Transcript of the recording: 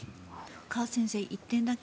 カ先生、１点だけ。